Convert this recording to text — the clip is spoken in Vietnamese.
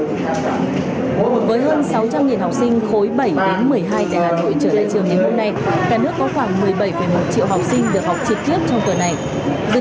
với hơn sáu trăm linh học sinh khối bảy đến một mươi hai